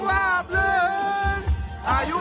แฮปปี้เบิร์สเจทูยู